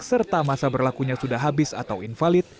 serta masa berlakunya sudah habis atau invalid